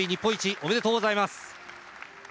◆ありがとうございます。